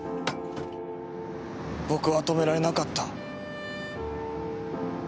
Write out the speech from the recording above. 僕は止められなかった。